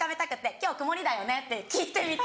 「今日曇りだよね？」って聞いてみた。